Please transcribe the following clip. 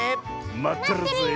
まってるぜえ。